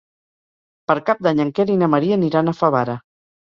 Per Cap d'Any en Quer i na Maria aniran a Favara.